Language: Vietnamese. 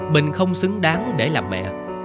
bình không xứng đáng để làm mẹ